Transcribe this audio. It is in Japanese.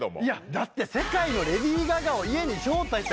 だって世界のレディー・ガガを家に招待して。